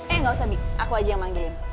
eh gak usah bibi aku aja yang manggilin